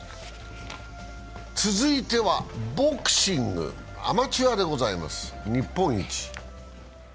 続いてはボクシング、アマチュアでございます、日本一。